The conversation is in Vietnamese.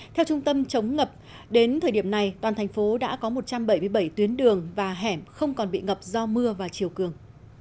theo trung tâm chống ngập đến thời điểm này toàn thành phố đã có một trăm bảy mươi bảy tuyến đường và hẻm không còn bị ngập do mưa và chiều cường